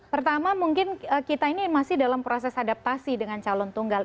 pertama mungkin kita ini masih dalam proses adaptasi dengan calon tunggal